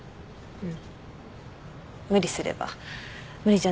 うん。